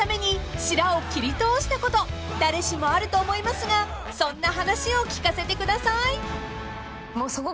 らを切り通したこと誰しもあると思いますがそんな話を聞かせてください］